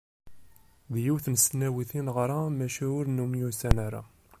Deg yiwet n tesnawit i neɣra maca ur nemyussan ara.